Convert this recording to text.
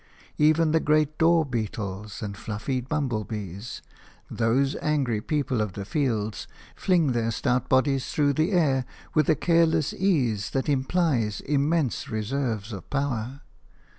Even the great dor beetles and fluffy bumble bees – those angry people of the fields – fling their stout bodies through the air with a careless ease that implies immense reserves of power.